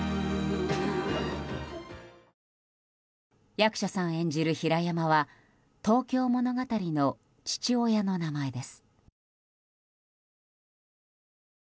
役所さん演じる平山は「東京物語」の父親の名前です。